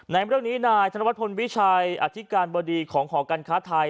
ในเรื่องนี้นายธนวัฒนวิชัยอธิการบดีของหอการค้าไทย